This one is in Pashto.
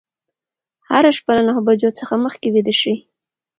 هره شپه له نهه بجو څخه مخکې ویده شئ.